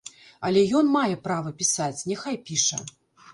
Але ён мае права пісаць, няхай піша.